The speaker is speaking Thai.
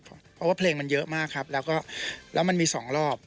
เพราะว่าเพลงมันเยอะมากครับแล้วก็แล้วมันมีสองรอบ